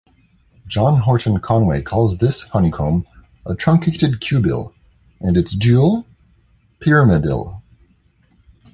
John Horton Conway calls this honeycomb a truncated cubille, and its dual pyramidille.